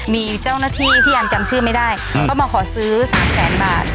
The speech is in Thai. มีเจ้าหน้าที่พี่แอมจำชื่อไม่ได้เขามาขอซื้อ๓แสนบาท